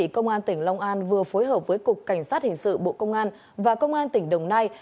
công an tỉnh long an vừa phối hợp với cục cảnh sát hình sự bộ công an và công an tỉnh đồng nai